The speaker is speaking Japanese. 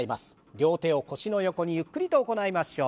両手を腰の横にゆっくりと行いましょう。